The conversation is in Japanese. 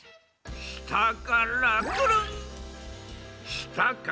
したからくるん！